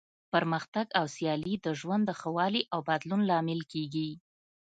پرمختګ او سیالي د ژوند د ښه والي او بدلون لامل کیږي.